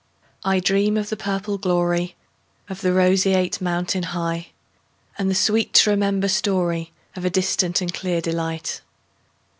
I dream of the purple gloryOf the roseate mountain heightAnd the sweet to remember storyOf a distant and clear delight.